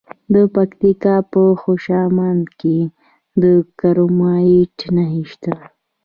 د پکتیکا په خوشامند کې د کرومایټ نښې شته.